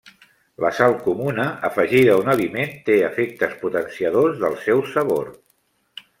La sal comuna afegida a un aliment té efectes potenciadors del seu sabor.